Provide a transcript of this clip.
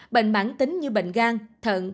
bệnh mạng tính như bệnh gan thận